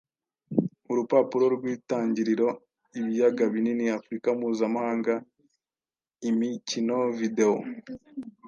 Urupapuro rw'itangiriroIbiyaga bininiAfrikaMpuzamahangaImikinoVideo